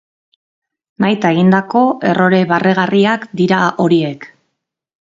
Nahita egindako errore barregarriak dira horiek.